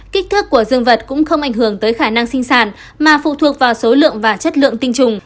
kích thước của dương vật cũng không ảnh hưởng tới khả năng sinh sản mà phụ thuộc vào số lượng và chất lượng tinh trùng